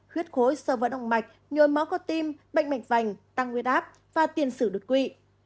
huyết khối sơ vỡ động mạch nhồi máu có tim bệnh mệnh vành tăng nguyên áp và tiền sử đột quỵ